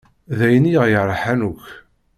D ayen i ɣ-yerḥan akk.